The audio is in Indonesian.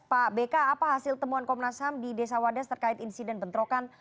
pak beka apa hasil temuan komnas ham di desa wadas terkait insiden bentrokan